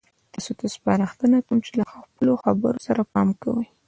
تاسو ته سپارښتنه کوم چې له خپلو خبرو سره پام کوئ.